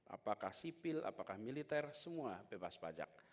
apakah sipil apakah militer semua bebas pajak